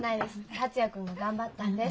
達也君が頑張ったんです。